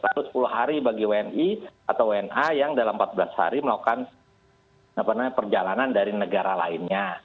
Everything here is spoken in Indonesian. lalu sepuluh hari bagi wni atau wna yang dalam empat belas hari melakukan perjalanan dari negara lainnya